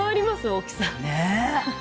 大きさ。ねぇ。